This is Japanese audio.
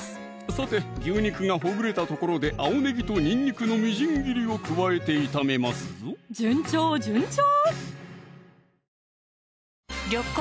さて牛肉がほぐれたところで青ねぎとにんにくのみじん切りを加えて炒めますぞ順調順調！